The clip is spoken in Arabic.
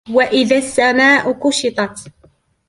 وَإِذَا السَّمَاءُ كُشِطَتْ